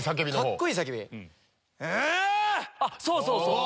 うあああ‼そうそうそう！